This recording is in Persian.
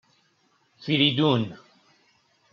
فریدون